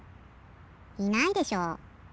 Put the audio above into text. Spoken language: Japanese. いないでしょ。